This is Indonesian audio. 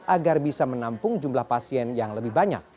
agar bisa menampung jumlah pasien yang lebih banyak